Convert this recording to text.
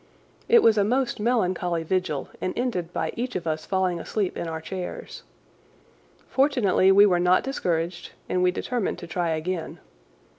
It was a most melancholy vigil and ended by each of us falling asleep in our chairs. Fortunately we were not discouraged, and we determined to try again.